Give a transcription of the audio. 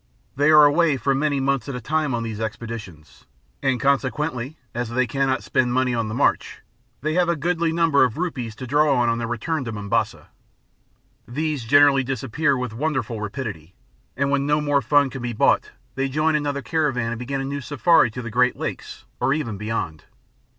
They are away for many months at a time on these expeditions, and consequently as they cannot spend money on the march they have a goodly number of rupees to draw on their return to Mombasa. These generally disappear with wonderful rapidity, and when no more fun can be bought, they join another caravan and begin a new safari to the Great Lakes, or even beyond.